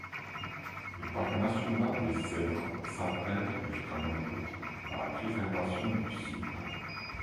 Le parc national des Cèdres s’attèle, jusqu’à nos jours, à la préservation du site.